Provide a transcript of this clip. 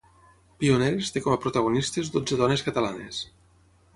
"Pioneres" té com a protagonistes dotze dones catalanes.